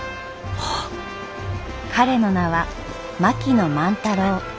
彼の名は槙野万太郎。